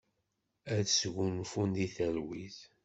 Ad sgunfun di talwit.